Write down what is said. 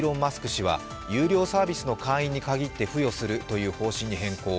氏は有料サービスの会員に限って付与するという方針に変更。